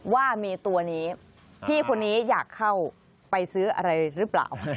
ว่ามีตัวนี้พี่คนนี้อยากเข้าไปซื้ออะไรหรือเปล่า